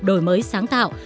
đổi mới sáng tạo